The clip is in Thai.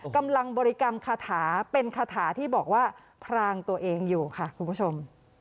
บริกรรมคาถาเป็นคาถาที่บอกว่าพรางตัวเองอยู่ค่ะคุณผู้ชม